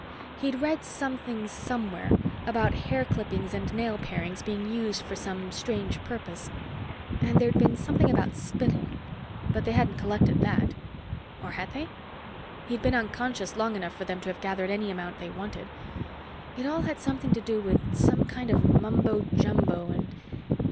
He'd read something somewhere about hair clippings and nail parings being used for some strange purpose. And there'd been something about spittle. But they hadn't collected that. Or had they? He'd been unconscious long enough for them to have gathered any amount they wanted. It all had something to do with some kind of mumbo jumbo, and....